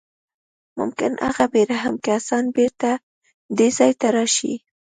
ممکن هغه بې رحمه کسان بېرته دې ځای ته راشي